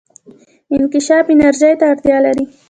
انکشاف انرژي ته اړتیا لري.